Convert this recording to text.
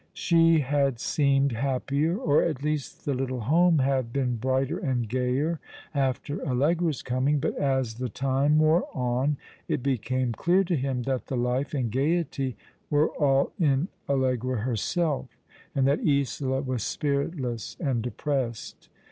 She had seemed happier, or at least the little home had been brighter and gayer after Allegra's coming ; but as the time wore on it became clear to him that the life and gaiety were all in Allegra herself, and that Isola was spiritless and depressed.